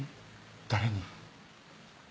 誰に？